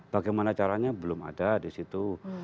bagaimana caranya belum ada di situ